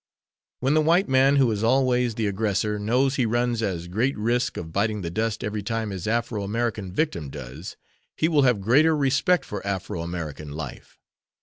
When the white man who is always the aggressor knows he runs as great risk of biting the dust every time his Afro American victim does, he will have greater respect for Afro American life.